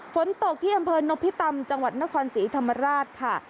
ฝนตกที่อำเภอนพิตำจังหวัดนครศรีธรรมราชค่ะ